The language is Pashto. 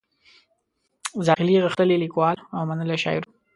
زاخیلي غښتلی لیکوال او منلی شاعر و.